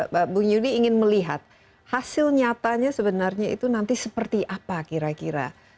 pak bu yudi ingin melihat hasil nyatanya sebenarnya itu nanti seperti apa kira kira